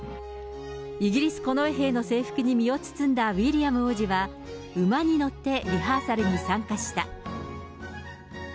イギリス近衛兵の制服に身を包んだウィリアム王子は、馬に乗ってリハーサルに参加した。